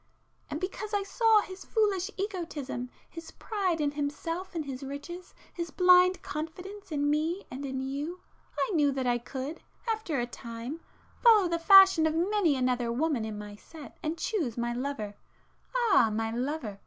"and because I saw his foolish egotism—his pride in himself and his riches,—his blind confidence in me and in you;—I knew that I could, after a time, follow the fashion of many another woman in my set and choose my lover,—ah, my lover!